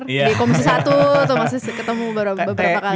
di komisi satu atau masih ketemu beberapa kali